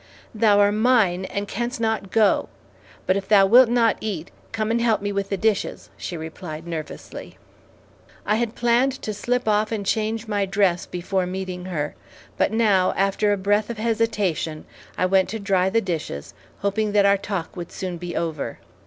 "Thou are mine, and canst not go; but if thou wilt not eat, come and help me with the dishes," she replied nervously. I had planned to slip off and change my dress before meeting her, but now, after a breath of hesitation, I went to dry the dishes, hoping that our talk would soon be over.